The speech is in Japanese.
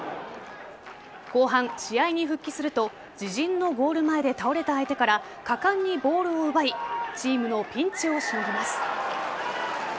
後半試合に復帰すると自陣のゴール前で倒れた相手から果敢にボールを奪いチームのピンチをしのぎます。